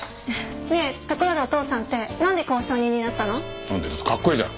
ねえところでお父さんってなんで交渉人になったの？